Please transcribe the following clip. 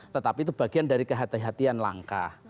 tetapi itu bagian dari kehatian hatian langka